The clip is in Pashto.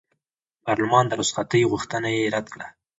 پارلمان د رخصتۍ غوښتنه یې رد کړه.